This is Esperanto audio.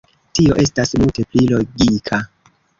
Tio estas multe pli logika!